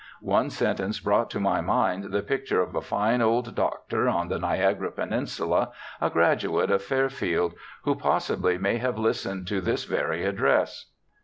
One sentence brought to my mind the picture of a fine old doctor, on the Niagara peninsula, a graduate of Fairfield, who possibly may have listened to this very address.